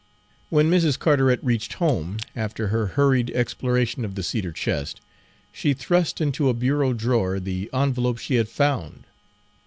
When Mrs. Carteret reached home, after her hurried exploration of the cedar chest, she thrust into a bureau drawer the envelope she had found.